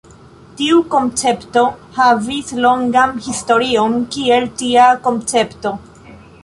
Tiu koncepto havis longan historion kiel tia koncepto.